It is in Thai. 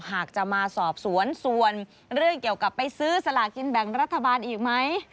หากจะมาสอบสวนส่วนเรื่องเกี่ยวกับไปซื้อสลากินแบ่งรัฐบาลอีกไหม